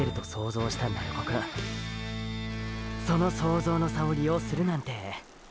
その想像の差を利用するなんて。